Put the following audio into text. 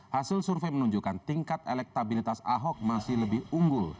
hasil survei menunjukkan tingkat elektabilitas ahok masih lebih unggul